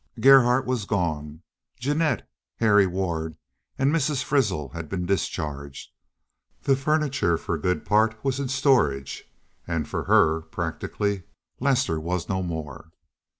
Gerhardt was gone. Jeannette, Harry Ward, and Mrs. Frissell had been discharged, the furniture for a good part was in storage, and for her, practically, Lester was no more.